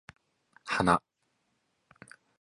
花